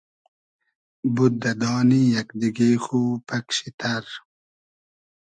بود دۂ دانی یئگ دیگې خو پئگ شی تئر